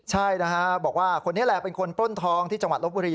ใช่นะฮะบอกว่าคนนี้แหละเป็นคนปล้นทองที่จังหวัดลบบุรี